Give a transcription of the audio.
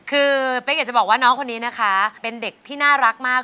คือเป๊กอยากจะบอกว่าน้องคนนี้นะคะเป็นเด็กที่น่ารักมาก